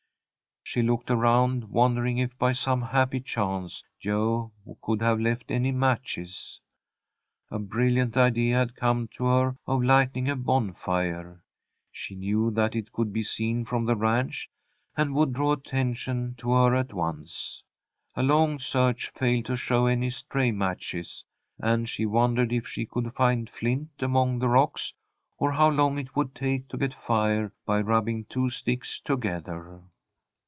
She looked around, wondering if by some happy chance Jo could have left any matches. A brilliant idea had come to her of lighting a bonfire. She knew that it could be seen from the ranch, and would draw attention to her at once. A long search failed to show any stray matches, and she wondered if she could find flint among the rocks, or how long it would take to get fire by rubbing two sticks together.